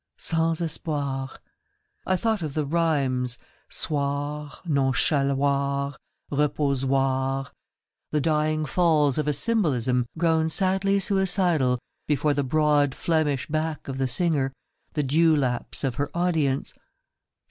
Sans Espoir, ... I thought of the rhymes — soir, non chaloir, reposoir — the dying falls of a symbolism grown sadly suicidal before the broad Flemish back of the singer, the dew laps of her audience.